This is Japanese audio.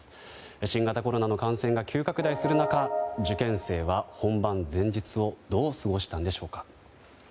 新型コロナの感染が急拡大する中受験生は本番前日をどう過ごしたんでしょうか。